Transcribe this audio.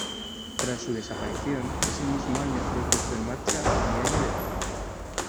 Tras su desaparición, ese mismo año fue puesto en marcha el "Diario de Teruel".